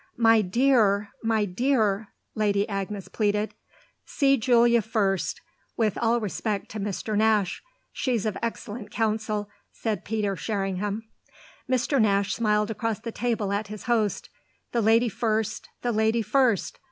"My dear, my dear !" Lady Agnes pleaded. "See Julia first, with all respect to Mr. Nash. She's of excellent counsel," said Peter Sherringham. Mr. Nash smiled across the table at his host. "The lady first the lady first!